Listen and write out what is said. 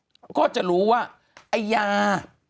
คุณหนุ่มกัญชัยได้เล่าใหญ่ใจความไปสักส่วนใหญ่แล้ว